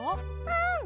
うん！